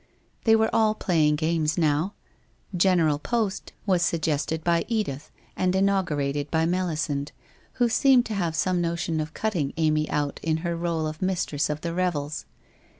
... They were all playing games now. ' General Post ' was 364 WHITE ROSE OF WEARY LEAF suggested by Edith and inaugurated by Melisande, who seemed to have some notion of cutting Amy out in her role of mistress of the revels.